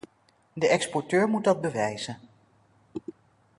De exporteur moet dat bewijzen.